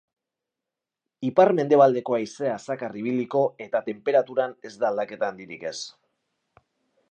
Ipar-mendebaldeko haizea zakar ibiliko eta tenperaturan ez da aldaketa handirik ez.